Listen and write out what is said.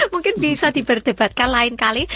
mungkin bisa diperdebatkan lain kali